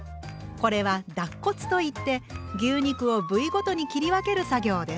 これは「脱骨」と言って牛肉を部位ごとに切り分ける作業です。